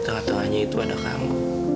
tengah tengahnya itu ada kamu